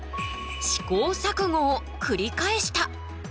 試行錯誤をくり返した。